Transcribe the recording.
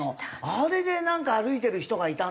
あれでなんか歩いてる人がいたんですよ。